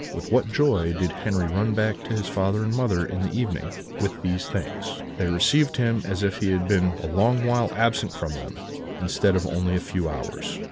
With what joy did Henri run back to his father and mother, in the evening, with these things! They received him as if he had been a long while absent from them, instead of only a few hours.